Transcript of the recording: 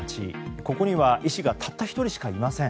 ここには医師がたった１人しかいません。